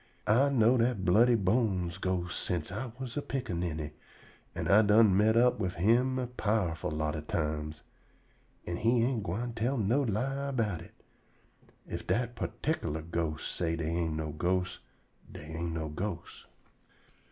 I know dat Bloody Bones ghost sence I was a piccaninny, an' I done met up wif him a powerful lot o' times, an' he ain't gwine tell no lie erbout it. Ef dat perticklar ghost say dey ain't no ghosts, dey ain't no ghosts."